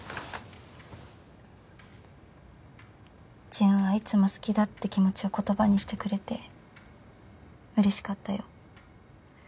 ジュンはいつも好きだって気持ちを言葉にしてくれてうれしかったよ。